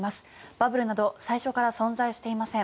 バブルなど最初から存在していません。